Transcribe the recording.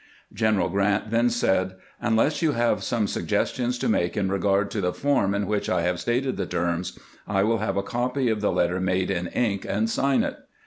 General Grant then said: "Unless you have some suggestions to make in regard to the form in which I have stated the terms, I will have a copy of the letter made in ink, and sign it."